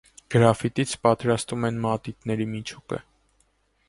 Գրաֆիտից պատրաստում են մատիտների միջուկը։